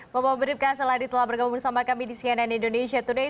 bapak bribka seladi telah bergabung bersama kami di cnn indonesia today